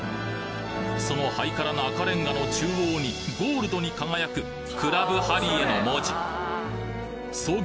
そのハイカラな赤レンガの中央にゴールドに輝くＣＬＵＢＨＡＲＩＥの文字創業